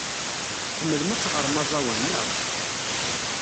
Tḥemmlem ad teɣrem aẓawan, naɣ?